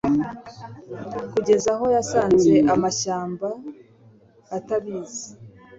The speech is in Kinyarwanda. Kugeza aho yasanze amashyamba atabizi